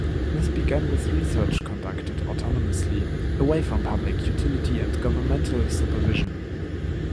This began with research conducted autonomously away from public utility and governmental supervision.